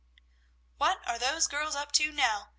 "_ "What are those girls up to now?"